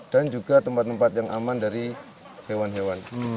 dan juga tempat tempat yang aman dari hewan hewan